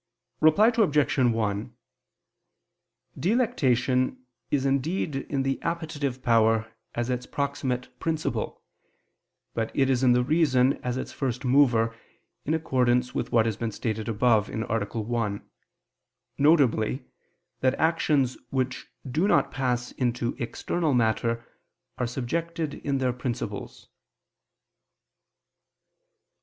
Reply Obj. 1: Delectation is indeed in the appetitive power as its proximate principle; but it is in the reason as its first mover, in accordance with what has been stated above (A. 1), viz. that actions which do not pass into external matter are subjected in their principles.